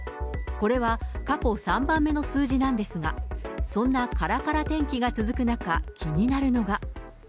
これは過去３番目の数字なんですが、そんなからから天気が続く中、気になるのが。